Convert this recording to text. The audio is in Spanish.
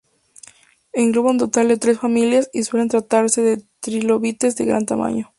Engloba un total de tres familias, y suelen tratarse de trilobites de gran tamaño.